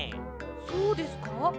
そうですか？